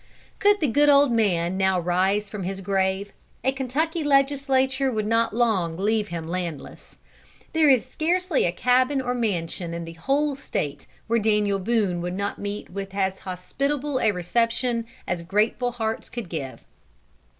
Could the good old man now rise from his grave, a Kentucky Legislature would not long leave him landless. There is scarcely a cabin or a mansion in the whole State, where Daniel Boone would not meet with as hospitable a reception as grateful hearts could give.